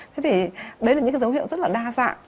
thế thì đấy là những cái dấu hiệu rất là đa dạng